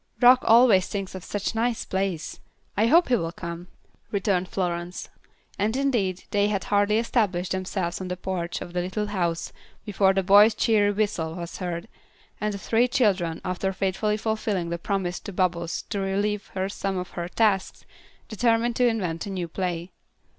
"Rock always thinks of such nice plays; I hope he will come," returned Florence; and, indeed, they had hardly established themselves on the porch of the little house before the boy's cheery whistle was heard, and the three children, after faithfully fulfilling the promise to Bubbles to relieve her of some of her tasks, determined to invent a new play.